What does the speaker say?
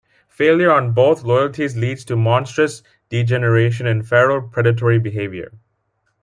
Failure on both loyalties leads to monstrous degeneration and feral predatory behavior.